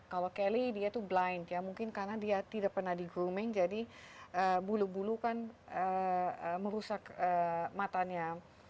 kalau kelly dia tuh blind ya mungkin karena dia tidak pernah di grooming jadi bulu bulu kan merusak matanya